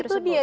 nah itu dia